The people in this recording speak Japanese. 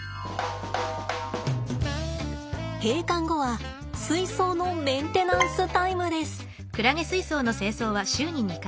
閉館後は水槽のメンテナンスタイムです。